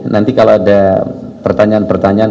nanti kalau ada pertanyaan pertanyaan